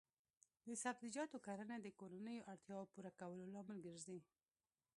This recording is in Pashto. د سبزیجاتو کرنه د کورنیو اړتیاوو پوره کولو لامل ګرځي.